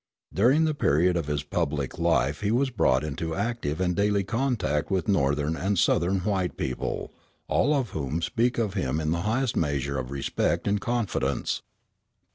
During the period of his public life he was brought into active and daily contact with Northern and Southern white people, all of whom speak of him in the highest measure of respect and confidence.